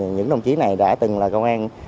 những đồng chí này đã từng là công an